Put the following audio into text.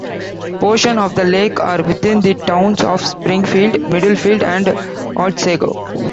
Portions of the lake are within the towns of Springfield, Middlefield and Otsego.